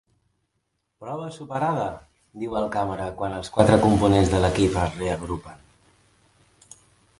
Prova superada! —diu el càmera quan els quatre components de l'equip es reagrupen.